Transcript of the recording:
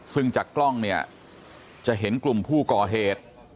ซึ่งจากกล้องเนี่ยจะเห็นกลุ่มผู้ก่อเหตุ